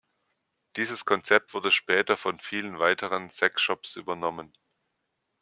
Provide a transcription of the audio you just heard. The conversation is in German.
Dieses Konzept wurde später von vielen weiteren Sexshops übernommen.